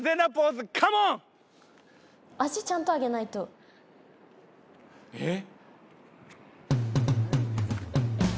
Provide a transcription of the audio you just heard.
足ちゃんと上げないとヘイ！